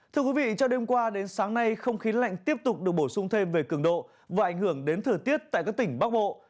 thưa quý vị cho đêm qua đến sáng nay không khí lạnh tiếp tục được bổ sung thêm về cường độ và ảnh hưởng đến thời tiết tại các tỉnh bắc bộ